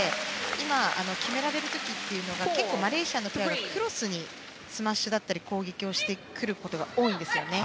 今、決められる時というのが結構、マレーシアのペアがクロスにスマッシュだったり攻撃をしてくることが多いんですよね。